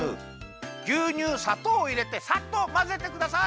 ぎゅうにゅうさとうをいれてさっとまぜてください。